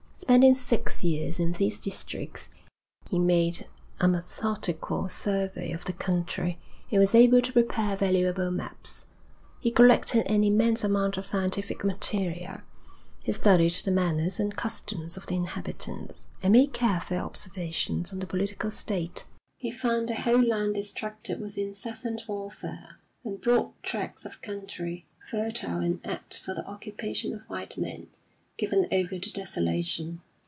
Spending six years in these districts, he made a methodical survey of the country, and was able to prepare valuable maps. He collected an immense amount of scientific material. He studied the manners and customs of the inhabitants, and made careful observations on the political state. He found the whole land distracted with incessant warfare, and broad tracts of country, fertile and apt for the occupation of white men, given over to desolation.